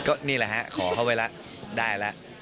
ก็นี่แหละฮะขอเข้าไปแล้วได้แล้ว